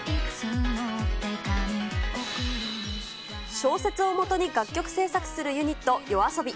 小説をもとに楽曲制作するユニット、ＹＯＡＳＯＢＩ。